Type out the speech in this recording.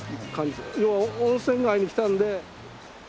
要は温泉街に来たんで。